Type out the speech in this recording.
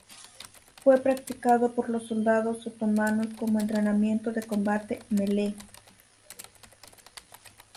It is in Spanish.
Fue practicado por los soldados otomanos como entrenamiento de combate melee.